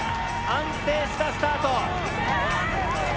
安定したスタート。